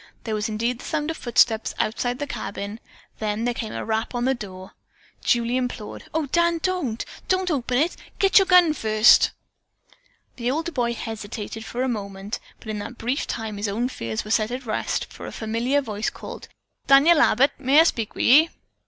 There was indeed the sound of footsteps outside the cabin, then there came a rap on the door. Julie implored: "O Dan, don't! don't open it! Get your gun first!" The older boy hesitated for a moment, but in that brief time his own fears were set at rest, for a familiar voice called, "Daniel Abbott, may I speak with ye?"